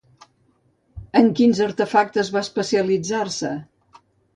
En quins artefactes va especialitzar-se?